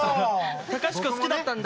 隆子好きだったんだ。